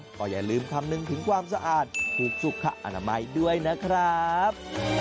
ก็อย่าลืมคำนึงถึงความสะอาดถูกสุขอนามัยด้วยนะครับ